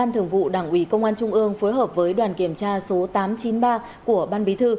thường vụ đảng ủy công an trung ương phối hợp với đoàn kiểm tra số tám trăm chín mươi ba của ban bí thư